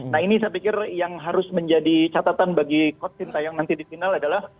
nah ini saya pikir yang harus menjadi catatan bagi coach sintayong nanti di final adalah